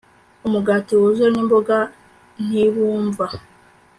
umugati wuzuye nimboga Ntibumva